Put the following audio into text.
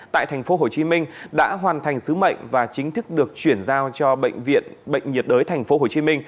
tại tp hcm đã hoàn thành sứ mệnh và chính thức được chuyển giao cho bệnh viện bệnh nhiệt đới tp hcm